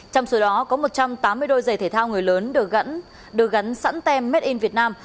trong số đó có một trăm tám mươi đôi giày thể thao người lớn được gắn sẵn tem made in vietnam